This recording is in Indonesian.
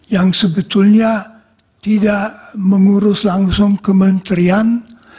yang sebetulnya tidak mengurus langsung kementerian